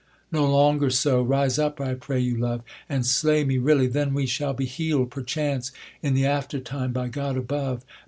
'No longer so, rise up, I pray you, love, And slay me really, then we shall be heal'd, Perchance, in the aftertime by God above.'